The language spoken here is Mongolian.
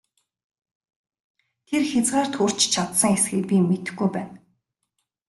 Тэр хязгаарт хүрч чадсан эсэхийг би мэдэхгүй байна!